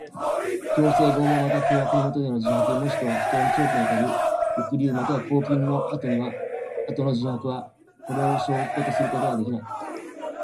強制、拷問または脅迫のもとでの自白もしくは不当に長期にわたる抑留または拘禁の後の自白は、これを証拠とすることはできない。